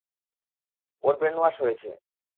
ওর brainwash হয়েছে।